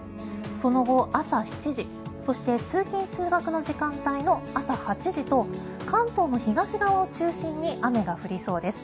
その後、朝７時、そして通勤・通学の時間帯の朝８時と関東の東側を中心に雨が降りそうです。